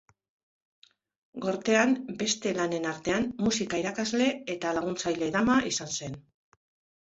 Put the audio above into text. Gortean, beste lanen artean, musika irakasle eta laguntzaile-dama izan zen.